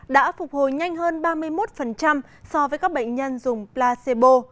đã phục hồi nhanh hơn ba mươi một so với các bệnh nhân dùng placebo